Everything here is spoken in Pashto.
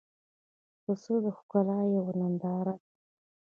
پسه د ښکلا یوه ننداره ده.